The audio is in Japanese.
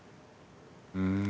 うん。